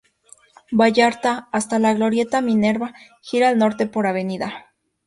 Vallarta" hasta la "Glorieta Minerva", gira al norte por "Av.